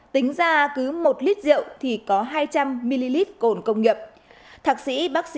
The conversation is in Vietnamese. tính ra cứ một lít rượu thì có hai trăm linh ml cồn công nghiệp